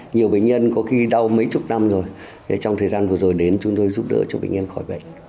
nhiều bệnh nhân có khi đau mấy chục năm rồi trong thời gian vừa rồi đến chúng tôi giúp đỡ cho bệnh nhân khỏi bệnh